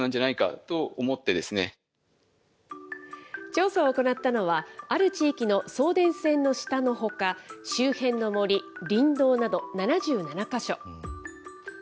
調査を行ったのは、ある地域の送電線の下のほか、周辺の森、林道など７７か所。